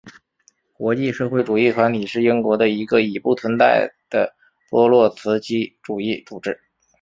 国际社会主义团体是英国的一个已不存在的托洛茨基主义组织。